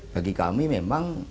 bagi kami memang